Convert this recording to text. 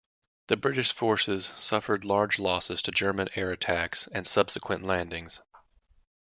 The British forces suffered large losses to German air attacks and subsequent landings.